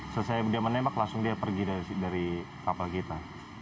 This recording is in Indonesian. setelah dia menembak langsung dia pergi dari kapal kita